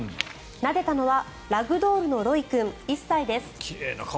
なでたのはラグドールのロイ君１歳です。